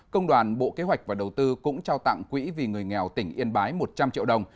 công đoàn bộ kế hoạch và đầu tư cũng trao tặng quỹ vì người nghèo tỉnh yên bái một trăm linh triệu đồng